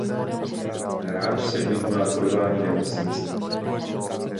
Hráč se ujímá budování nemocnice.